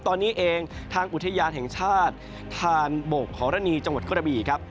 ตอนนี้เองทางอุทยานแห่งชาติธานโบกหรณีจังหวัดกระบี่ครับ